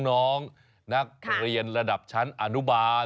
นักโรงเรียนระดับชั้นอนุบาท